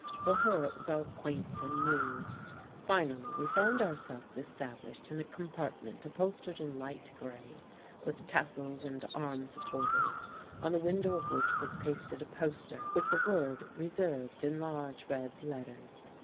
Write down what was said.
For her it was all quaint and new. Finally we found ourselves established in a compartment upholstered in light grey, with tassels and arm supporters, on the window of which was pasted a poster with the word reserved in large, red letters.